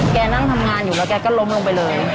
นั่งทำงานอยู่แล้วแกก็ล้มลงไปเลย